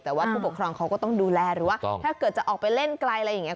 แต่ว่าผู้ปกครองเขาก็ต้องดูแลหรือว่าถ้าเกิดจะออกไปเล่นไกลอะไรอย่างนี้